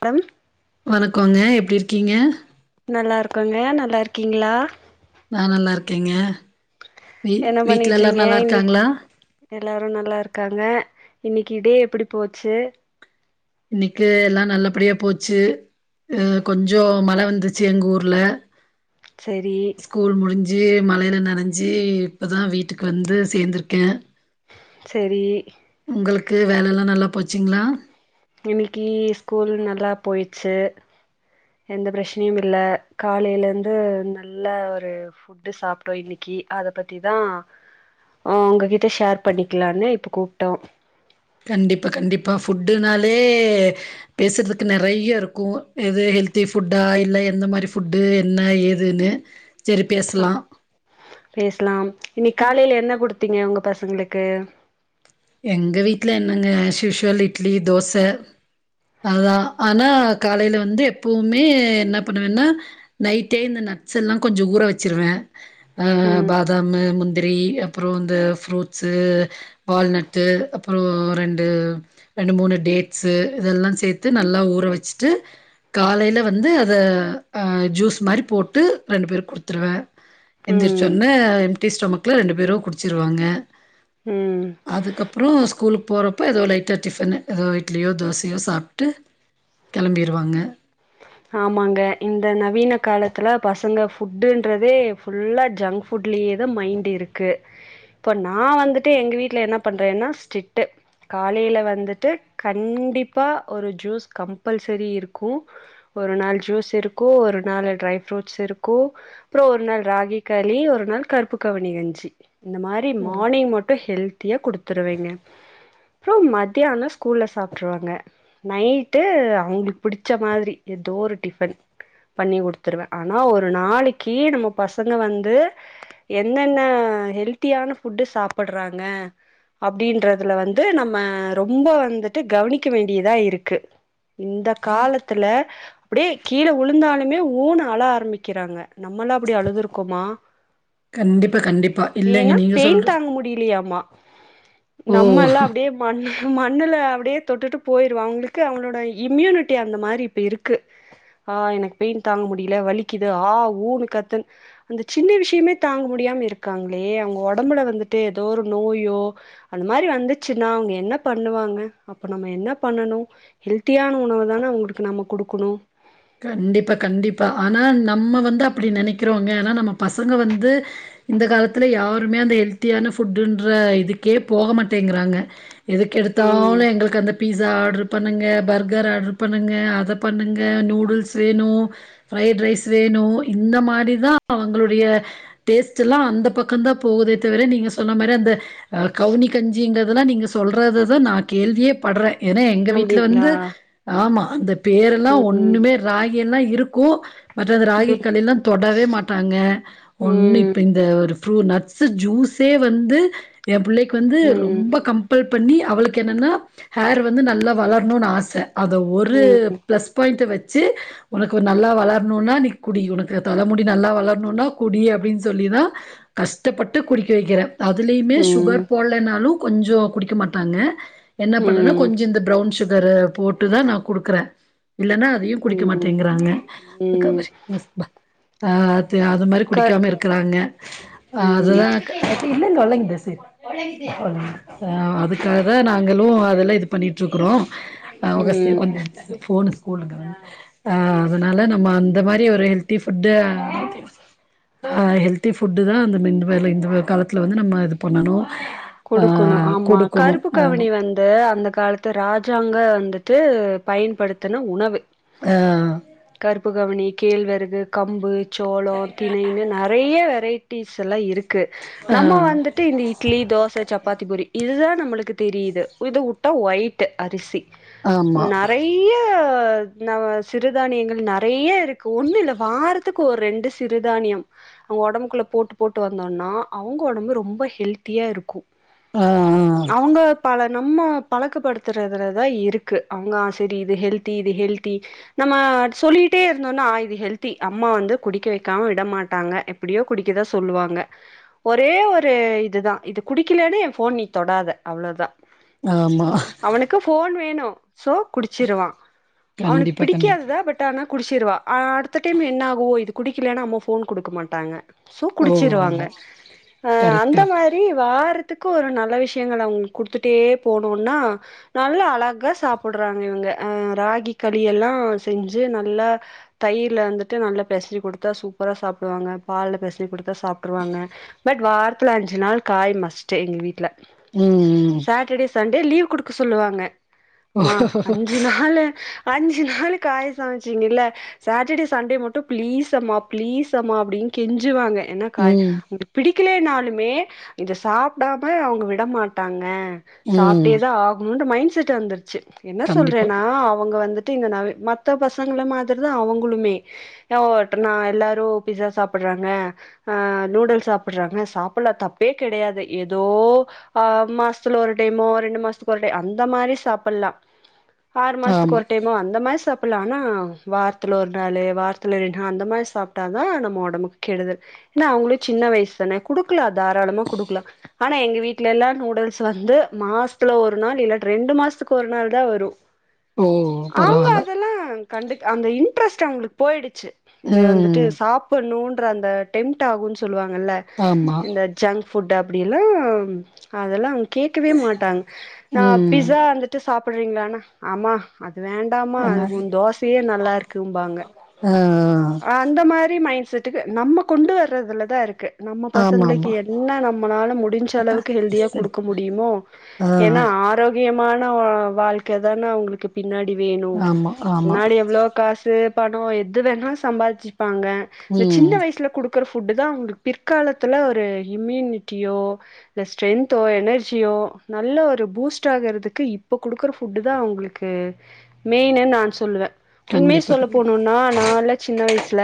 டம் வணக்கோங்க எப்டி இருக்கீங்க நல்லாருக்கங்க நல்லாருக்கீங்ளா நா நல்லாருக்கேங்க வீ என்ன வீட்ல எல்லாரு பண்ணிட்றீங்க இன்னைக் நல்லாருக்காங்ளா எல்லாரு நல்லா இருக்காங்க இன்னைக்கு டே எப்படி போச்சு இன்னைக்கு எல்லா நல்லபடியா போச்சு அ கொஞ்சோ மழ வந்துச்சு எங்க ஊர்ல சேரி ஜி மலையில நனைஞ்சி இப்பதா வீட்டுக்கு வந்து சேர்ந்திருக்கே சேரி உங்களுக்கு வேல எல்லா நல்லா போச்சுங்களா இன்னைக்கு ஸ்கூல் நல்லா போயிச்சு எந்த பிரச்சனையும் இல்ல காலையில இருந்து நல்ல ஒரு ஃபுட்டு சாப்பிட்டோ இன்னைக்கு அத பத்திதா உங்ககிட்ட ஷேர் பண்ணிக்கலான்னு இப்ப கூப்பிட்டோ கண்டிப்பா கண்டிப்பா ஃபுட்டுனாலே பேசுறதுக்கு நறையா இருக்கு எது ஹெல்தி ஃபுட்டா இல்ல எந்த மாரி ஃபுட்டு என்ன ஏதுன்னு சரி ஆ பேசலாம். பேசலாம் இன்னைக் காலையில என்ன குடுத்தீங்க உங்க பசங்களுக் கு எங்க வீட்டுல என்னங்க அஸ் யூசுவல் இட்லி தோச அதுதா ஆனா காலையில வந்து எப்பவுமே என்ன பண்ணுவேன்னா நைட்டே இந்த நட்ஸ் எல்லா கொஞ்சோ ஊற வச்சிருவே ஆ ம் பாதாமு முந் ந்திரி அப்பறோ இந்த ஃப்ரூட்ஸ்சு வால்நட் ட்டு அப்றோ ரெண்டு ரெண்டு மூணு டேட்ஸசு இதெல்லா சேர்த்து நல்லா ஊற வச்சுட்டு காலையில வந்து அத ஆ ஜூஸ் மாரி போட்டு ரெண்டு பேருக்கு குடுத்துருவே எந்திரிச்சோன்ன டீ ஸ்டோமக்குல ரெண்டு பேரும் குடிச்சுருவாங்க உம் ஊ ஸ்கூலுக்கு போறப்போ ஏதோ லைட்டா டிஃபனு ஏதோ இட்லியோ தோசையோ சாப்பிட்டு கேளம்பிருவாங்க ஆமாங்க இந்த நவீன காலத்துல பசங்க ஃபுட்டுன்றதே ஃபுல்லா ஜங்க் ஃபுட்லயேதா மைண்ட் இருக்கு இப்ப நா வந்துட்டு எங்க வீட்டுல என்ன பண்றேன்னா ஸ்டிட்டு காலையில வந்துட்டு கண்டிப்பா ஒரு ஜூஸ் கம்பல்சரி இருக்கு ஒரு நாள் ஜூஸ் இருக்கு ஒரு நாள் ட்ரை ஃப்ரூட்ஸ் இருக்கு அப்றோ ஒரு நாள் ராகி களி ஒரு நாள் கருப்பு கவுனி கஞ்சி இந்த மாரி ம். மார்னிங் மட்டு ஹெல்த்திய குடுத்துருவேங்க அப்றோ மதியானோ ஸ்கூல்ல சாப்பிட்ருவாங்க நைட்டு அவங்களுக்கு புடிச்ச மாதிரி ஏதோ ஒரு டிஃபன் பண்ணி குடுத்துருவே ஆனா ஒரு நாளைக்கு நம்ம பசங்க வந்து என்னென்ன ஹெல்த்தியான ஃபுட்டு சாப்பிட்றாங்க அப்படின்றதுல வந்து நம்ம ரொம்ப வந்துட்டு கவனிக்க வேண்டியதா இருக்கு இந்த காலத்தில அப்படியே கீழ உழுந்தாலுமே ஊன்னு அள ஆரம்பிக்கிறாங்க நம்ம எல்லா அப்புடி அழுதுருக்கோமா கண்டிப்பா கண்டிப்பா இல்லைங்க ஏன்னா நீங்க பெயின் சொல்ற தாங்க முடியலையாமா நம்ம ஓ! எல்லா அப்படியே மண் மண்ணுல அப்படியே தொட்டுட்டு போயிருவோ அவங்களுக்கு அவங்களோட இம்யூனிட்டி அந்த மாரி இப்போ இருக் கு எனக்கு பெயின் தாங்க முடியல வலிக்குது ஆ ஊன்னு கத்த அந்த சின்ன விஷயமே தாங்க முடியாம இருக்காங்களே அவங்க உடம்புல வந்துட்டு ஏதோ ஒரு நோயோ அந்த மாரி வந்துச்சுனா அவங்க என்ன பண்ணுவாங்க அப்ப நம்ம என்ன பண்ணனு ஹெல்த்தியான உணவு தான அவங்களுக்கு நம்ம குடுக் குனு கண்டிப்பா கண்டிப்பா ஆனா நம்ம வந்து அப்படி நெனைக்கிறோங்க ஆனா நம்ம பசங்க வந்து இந்த காலத்துல யாருமே அந்த ஹெல்த்தியான ஃபுட்டுன்ற இதுக்கே போக மாட்டேங்குறாங்க எதுக்கு ம் எடுத்தாலு எங்களுக்கு அந்த பீஸ் சா ஆடரு பண்ணுங்க பர்கர் ஆர்டரு பண்ணுங்க அத பண்ணுங்க நூ டுல்ஸ் வேணு ஃப்ரைட் ரைஸ் வேணு இந்த மாரி தா அவங்களுடைய டேஸ்ட் எல்லா அந்த பக்கம் தா போகுதே தவிர நீங்க சொன்ன மாரி அந்த கவுனி கஞ்சிங்கிறதெல்லா நீங்க சொல்றத தா நா கேள்வியே படுறே ஏன்னா எங்க வீட்டுல அப்டிங்களா வந்து ஆமா அந்த பேரெல்லா ம் ஒண்ணுமே ராகி எல்லா இருக்கு பட் அந்த ராகி ம் கலிலா தொடவே மாட்டாங்க ஒன்னு ம் இப்ப இந்த ஒரு ரு நட்ஸு ஜூஸே வந்து எ பிள்ளைக்கு வந்து ம் ரொம்ப கம்பல் பண்ணி அவளுக்கு என்னன்னா ஹேர் வந்து நல்லா வளரணுனு ஆச அத ஒரு ம் பிளஸ் பாயிண்ட்டு வெ ச்சு உனக்கு ஒரு நல்லா வளரணுன்னா நீ குடி உனக்கு தலைமுடி நல்லா வளரணுனா குடி அப்டின்னு சொல்லிதா கஷ்டப்பட்டு குடிக்க வெக்கிற அதுலயுமே ம் சுகர் போல்லனாலு கொஞ்சோ குடிக்க மாட்டாங்க என்ன பண்ணனு ம் கொஞ்சோ இந்த பிரவுன் சு கர போட்டுதா நா குடுக்கற இல்லனா குடிக்க ம் மாட்டேங்கிறாங்க ம் ஆ அது மாரி க குடிக்காம இருக்கிறாங்க ம் அதுதா க அதுக்காகதா நாங்களு அதெல்லா இது பண்ணிட்டு இருக்கிறோ அவுக சை ம் கொஞ்சோ போனு கோல்டு கிராம் அ அதனால நம்ம அந்த மாரி ஒரு ஹெல்தி ஃபுட்டு அ ஹெல்தி ஃபுட்டுதா அந்த மிண்டுவேர்ல இந்த காலத்துல வந்து நம்ம இது பண்ணணு குடுக்கணு ஆமா கருப்பு கவனி வந்து அந்த காலத்து ராஜாங்க வந்துட்டு பயன்படுத்தின உணவு ஆ புகவனி, கேழ்வரகு, கம்பு, சோளோ, திணைன்னு ந நெறய வெரைட்டீஸ் எல்லா இரு க்கு நம்ம வந்துட்டு இந்த இட்லி, தோ சப்பாத்தி, பூரி இதுதா நம்மளுக்கு தெரியுது இத வுட்டா ஒயிட் அரிசி ஆமா ஆ ஆ ஆமா நெறயா அ நா சிறுதானியங்கள் நெறயா இருக்கு ஒன்னு இல்ல வாரத்துக்கு ஒரு ரெண்டு சிறுதானியம் ஒடம்புக்குள்ள போட்டு போட்டு வந்தோனா அவுங்க ஒடம்பு ரொம்ப ஹெல்த்தியா இருக்கு ஆ ஆ அவுங்க பல நம்ம பழக்கப்படுத்துறதுலதா இருக்கு அவுங்க செரி இது ஹெல்தி இது ஹெல்தி நம்ம சொல்லிகிட்டே இருந்தோனா இது ஹெல்தி அம்மா வந்து குடிக்க வெக்காம விட மாட்டாங்க எப்டியோ குடிக்கதா சொல்லுவாங்க ஒரே ஒரு இதுதா இது குடிக்கலனா என் ஃபோன் நீ தொடாத அவ்ளோதா ஆமா அவனுக்கு போன் வேணு ஒ சோ குடிச்சிருவான் அவனுக் கண்டிப்பா கண்டிப்பா பிடிக்காதுதா பட் ஆனா குடிச்சிருவா அடுத்த டைம் என்ன ஆகு இது குடிக்கலனா அம்மா போன் குடுக்க மாட்டாங்க சோ ஓ குடிச்சிருவாங்க ஆமா ஆ கரெக்ட் அந்த கரெக்ட் மாரி வாரத்துக்கு ஒரு நல்ல விஷ்யங்கள அவுங்களுக்கு குடுத்துட்டே போனோனா நல்லா அழகா சாப்பிடுறாங்க இவுங்க ராகி களி எல்லா செஞ்சு நல்லா தயிர்ல வந்துட்டு நல்லா பெசஞ்சு குடுத்தா சூப்பரா சாப்பிடுவாங்க பால்ல பெசஞ்சு குடு சாப்ட்டுருவாங்க பட் வாரத்தல அஞ்சு நாள் காய் மஸ்ட்டு எங்க வீட்ல ம் சாட்டர்டே சண்டே லீவ் குடுக்க சொல்லுவாங்க மா அஞ்சு நாளு அஞ்சு நாளு காய் சமைச்சிங்கல சாட்டர்டே சண்டே மட்டும் ப்ளீஸ் அம்மா ப்ளீஸ் அம்மா அப்படின்னு கெஞ்சுவாங்க என்னக்காய் ம் பிடிக்க களே நாலுமே இத சாப்டாம அவங்க விட மாட்டாங்க ம் சாப்ட்டே தா ஆகணும் மைண்ட் விட்டுட்டு வந்துருச்சு என்ன கண்டிப்பா சொல்றேன்னா அவங்க வந்துட்டு மத்த பசங்கள மாதிரி தான் அவங்களுமே ந எல்லாரும் பிஸா சாப்டுறாங்க ஆ நூடுல்ஸ் சாப்டுறாங்க சாப்டலாம் தப் பே கிடையாது ஏதோ ஆ மாசத்துல ஒரு டைமோ ரெண்டு மாசத்துக்கு ஒரு டைம் அந்த மாதிரி சாப்பிலாம் ஆறு மாசத்துக்கு ஆமா ஒரு டைம் அந்த மாரி சாப்பலாம் ஆனா வாரத்துல ஒரு நாள் வாரத்துல இரெண்டு நாளு அந்த மாதிரி சாப்பிட்டா தான் நம்ம உடம்புக்கு கெடுதல் ஏன்னா அவங்களும் சின்ன வயசு தானே கொடுக்கல தாராளமா குடுக்கலா ஆனா எங்க வீட்டுல எல்லாம் நூடுல்ஸ் வந்து மாசத்துல ஒரு நாள் இல்ல ரெண்டு மாசத்துக்கு ஒரு நாள் தான் வரும் ஓ அவங்க பரவால்ல அதெல்லா கண்டு அந்த இன்ட்ரெஸ்ட் அவங்களுக்கு போயிடுச்சு இதது வந்துட்டு ம் சாப்டணும்னு அந்த டெம்டுஆகும்னு சொல்லுவாங்க ஆமா ல்ல ஜங்க் ஃபுட் அப்படிலா அதெல்லா கேட்கவே மாட்டாங்க ந ம் பிஸா வந்துட்டு சாப் போறீங்களானா ஆமா அது அது வேண்டாமா என்ன அது உன் தோசையே நல்லா இருக்குபாங்க ஆ அந்த மாதி மைண்ட் செட்டுக்கு நம்ம கொண்டு வர்றதுல தான் இருக்கு நம்ம ஆமா பசங்களுக்கு ஆமா என்ன நம்மளால முடிஞ்ச அக்கா அளவுக்கு ஹெல்தியா சரி கொடுக்க முடியுமோ ஆ ஏன்னா ஆரோக்கியமான வாழ்க்கை தானே அவங்களுக்கு பி ன்னாடி வேணு ஆமா ஆமா பின்னாடி எவ்ளோ காசு பணம் எது வேணா சம்பாதிச் பாங்க இந்த சின்ன ம் வயசுல கொடுக் கொடுக்குற ஃபுட்டு தான் அவங்களுக்கு பிற்காலத்தில ஒரு இம்யூனிட்டியோ இல்ல ஸ்ட்ரென்த்தோ எனர்ஜியோ நல்ல ஒரு பூஸ்ட் ஆகிறதுக்கு இப்போ கொடுக்குற ஃபுட்டு தான் அவங்களுக்கு மெயின்னு நான் சொல்லுவே உண்மைய கண்டிப்பா சொல்ல கண்டிப்பா போனும்னா நால சின்ன வயசுல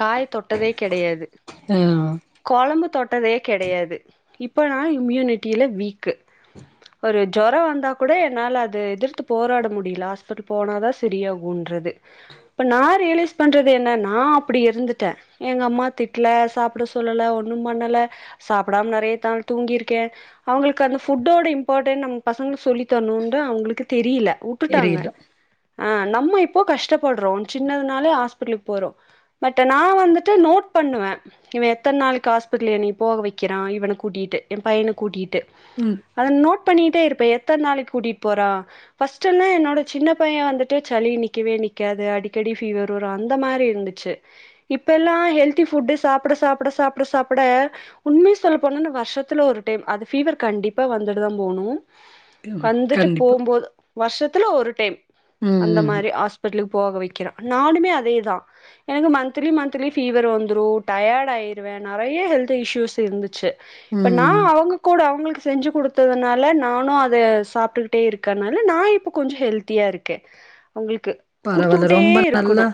காய் தொட்டதே கிடையாது ஆ குழம்பு தொட்டதே கிடையாது இப்ப நான் இம்யூனிட்டியில வீக்கு ஒரு ஜொரம் வந்தா கூட என்னால அத எதிர்த்து போராட முடியல ஹாஸ்பிட்டல் போனா தான் சரியாகும்ன்றது அப்ப நான் ரியலைஸ் பண்ணுறது என்ன நான் அப்படி இருந்துட்டேன் எங்கள் அம்மா திட்டல சாப்பிட சொல்லல ஒன்னும் பண்ணல சாப்பிடாமல் நிறைய நாள் தூங்கிருக்கேன் அவங்களுக்கு அந்த ஃபுட்டோட இம்பார்ட்டன்ண்ட் நம்ம பசங்களுக்கு சொல்லித்தரணும்னு அவங்களுக்கு தெரியல வுட்டுட்டாங்க தெரியல ஆ நம்ம இப்போ கஷ்டப்படுறோம் சின்னதுனாலே ஹாஸ்பிட்டலுக்கு போரோம் பட் நான் வந்துட்டு நோட் பண்ணுவே இவன் எத்தனை நாளுக்கு ஹாஸ்பிட்டல என்னை போக வைக்கிறான் இவனை கூட்டிகிட்டு என் பையனை கூட்டிகிட்டு ம் அத நோட் பண்ணிட்டே இருப் ப எத்தனை நாளை கூட்டிட்டு போறான் ஃபர்ஸ்ட் எல்லா என்னோட சின்ன பையன் வந்துட்டு சளி நிக்கவே நிக்காது அடிக்க கடி ஃபீவர் வரும் அந்த மாரி இருந்துச்சு இப்ப எல்லா ஹெல்தி ஃபுட் சாப்ட சாப்ட சாப்ட சாப்ட உண்மை சொல்ல போன வருஷத்துல ஒரு டைம் அது பீவர் கண்டிப்பா வந்துட்டு தான் போனும் ம் வந்துட்டு கண்டிப்பா போம் போது வருஷத்து ல ஒரு டைம் ம் அந்த ம் மாரி ஹாஸ்பிட்டலுக்கு போகவை வக்கிறான் நானுமே அதேதான் எனக்கு மந்த்லி மந்த்லி ஃபீவர் வந்துடும் டயர்ட் ஆயிருவேன் நறைய ஹெல்த் இஷ்யூஸ் இருந்துச்சு இப்ப ம் நான் அவங்க கூட அவங்களுக்கு செஞ்சு கொடுத்ததுனால நானு அதை சாப்ட்டுக்கிட்டே இருக்கனால நான் இப்ப கொஞ்சம் ஹெல்த்தியா இருக்கே அவங்களுக்கு கொடுத் பரவால்ல ரொம்ப நல்லா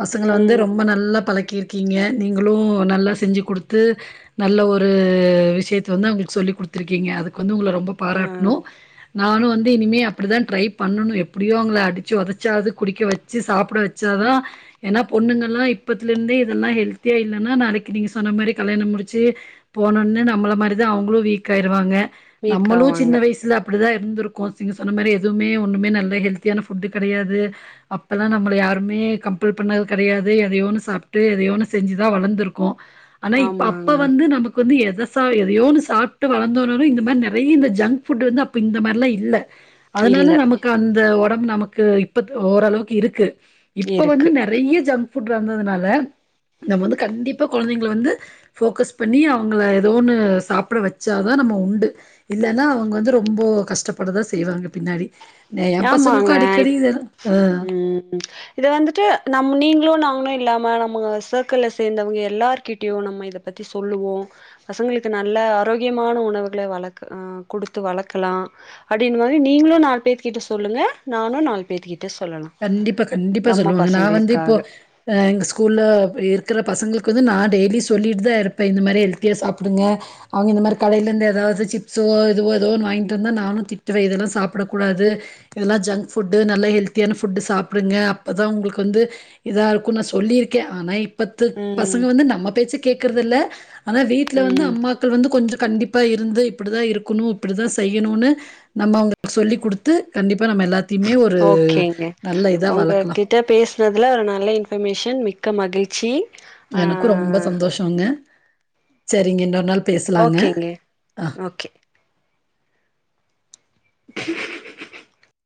பசங்கள வந்து ரொம்ப நல்லா பழக்கி இருக்கீங்க நீங்களும் நல்லா செஞ்சு கொடுத்து நல்ல ஒரு விஷயத்தை வந்து அவங்களுக்கு சொல்லி கொடுத்துருக்கீங்க அதுக்கு வந்து உங்க ரொம்ப ஆ பாராட்ணும் நானும் வந்து இனிமே அப்படிதான் ட்ரை பண்ணணு எப்படியோ அவங்கள அடிச்சி உதைச்சாவது குடிக்க வச்சு சாப்ட வச்சா தான் ஏன்னா பொண்ணுங்கள்லாம் இப்பத்துலே இருந்தே இதெல்லாம் ஹெல்த்தியா இல்லன்னா நாளைக்கு நீங்க சொன்ன மாரி கல்யாணம் முடிச்சு போனோனு நம்மள மாரிதான் அவங்களும் வீக் ஆயிருவாங்க வீக் நம்மளும் ஆவாங்க சின்ன வயசுல அப்படிதான் இரு இருந்துருக்கோ நீங்க சொன்ன மாரி எதுவுமே ஒண்ணுமே நல்ல ஹெல்த்தியான ஃபுட் கிடையாது அப்ப யெல்லாம் நம்மளை யாருமே கம்பல் பண்ணது கிடையாது எதையோன்னு சாப்ட்டு எதையோன்னு செஞ்சுதான் வளர்ந்துருக்கோ ஆனா இப்ப அப்ப ஆமாங்க வந்து நமக்கு வந்து எதாவ எதையோ ஒண்ணு சாப்ட்டு வளர்ந்தோணும் இந்த மாரி நறைய இந்த ஜங்க்ஃபுட் வந்து அப்போ இந்த மாரிலா இல்ல அதனால இல்ல நமக்கு அந்த உடம்பு நமக்கு யிப்பத்த ஓரளவுக்கு யிருக்கு இப்ப வந்து இருக்கு நெறய ஜங் ஃபட் வந்ததுனால நம்ம வந்து கண்டிப்பா குழந்தைங்கல வந்து போக்கஸ் பண்ணி அவங்கள ஏதோ ஒன்னு சாப்ட வச்சாதான் நம்ம உண்டு இல்லனா அவங்க வந்து ரொம்ப கஷ்டப்படதான் செய்வாங்க பின்னாடி ந எ பசங்களுக்குக்கு அடிக்கடியிதேதா ம்ம் இத வந்துட்டு நம் நீங்களு நம் ஒன்னுயில்லாம நம்ம சர்கிள சேந்தவங்க யெல்லார்கிட்டயும் நம்ம யித பத்தி சொல்லுவோ. பசங்களுக்கு நல்ல ஆரோக்கியமான உணவுகளை வளக்க ஆ குடுத்து வளக்கலா அப்டினு மாதி நீங்களும் நாலு பேரு கிட்ட சொல்லுங்க நானும் நாலு பேத்து கி கண்டிப்பா கண்டிப்பா சொல்லுவேங்க நான் வந்து இப்போ பசங்களுக்காக எங்க ஸ்கூல்லருக்கிற பசங்களுக்கு வந்து நான் டெய்லி சொல்லிட்டுதாருப்பேன் யிந்த மாரி ஹெல்த்தியா சாப்டுங்க. அவுங்க யிந்த மாரி கடைலந்து யெதாவது ஜிப்சோ யிதுவோ யெதுவோன் வாங்கிட்டு வந்தா நானும் திட்டுவேன் யிதல்லாம் சாப்பிடக்கூடாது. யிதெல்லா ஜங்க் புட்டு நல்ல ஹெல் ஹெல்த்தியான ஃபுட்டு சாப்பிடுங்க அப்போ தான் உங்களுக்கு வந்து யிதாருக்கும்னு நான் சொல்லியிருக்கேன் ஆனா பத்து ம் பசங்க வந்து நம்ம பேச்சு கேக்கறதில்ல ஆனா வீட்ல வந்து ம் அம்மாக்கள் வந்து கொஞ்சம் கண்டிப்ப யிப்பயிருந்து இப்படிதான் இருக்கணும் யிப்படிதான் செய்யணும்னு நம்ம அவங்களுக்கு சொல்லிக்குடுத்து கண்டிப்பா நம்ம எல்லாத்தை தியுமே ஒரு ஓகேங்க நல்ல இதா வளக்கலாம் உங்ககிட்ட பேசினதுல ஒரு நல்ல யின்பர்மேஷன் மிக்க மகிழ் ச்சி எனக்கும் ரொம்ப சந்தோஷங்க சரிங்க இன்னொருநாள் பேசலாங்க ஓகேங்க ஆ ஓகே [inaudible]